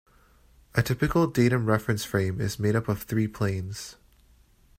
A typical datum reference frame is made up of three planes.